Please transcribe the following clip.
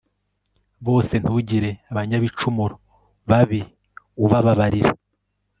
bose Ntugire abanyabicumuro babi ubabarira